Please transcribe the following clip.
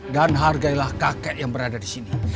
dan hargailah kakek yang berada di sini